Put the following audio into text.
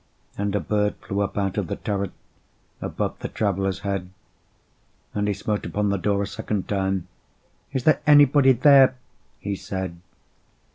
And a bird flew up out of the turret, Above the Traveller's head: And he smote upon the door again a second time; 'Is there anybody there?' he said.